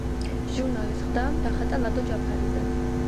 ჟურნალის ყდა დახატა ლადო ჯაფარიძემ.